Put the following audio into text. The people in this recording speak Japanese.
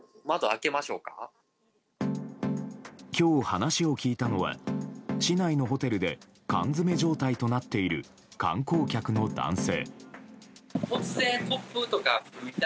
今日、話を聞いたのは市内のホテルで缶詰め状態となっている観光客の男性。